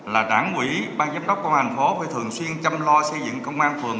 là đảng quỷ bang giám đốc công an phố phải thường xuyên chăm lo xây dựng công an phường